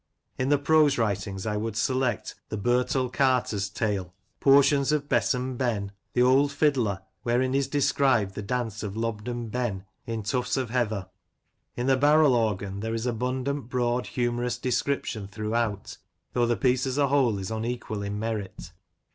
In the prose writings, I would select "The Birtle Carter's Tale"; portions 38 Lancashire Characters and Places, of " Besom Ben ";" The Old Fiddler," wherein is described the dance of Lobden Ben, in " Tufts of Heather." In " The Barrel Organ " there is abundant broad humorous descrip tion throughout, though the piece as a whole is unequal in merit.